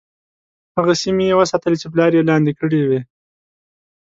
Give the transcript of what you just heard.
هغه سیمي یې وساتلې چې پلار یې لاندي کړې وې.